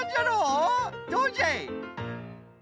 どうじゃい！